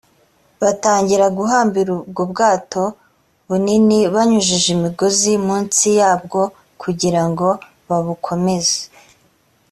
batangira guhambira ubwo bwato bunini banyujije imigozi munsi yabwo kugira ngo babukomeze